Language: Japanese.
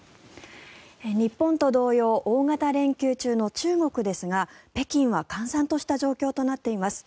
日本と同様大型連休中の中国ですが北京は閑散とした状況となっています。